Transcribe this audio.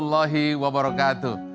assalamualaikum warahmatullahi wabarakatuh